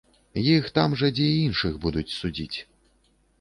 Іх там жа, дзе і іншых, будуць судзіць.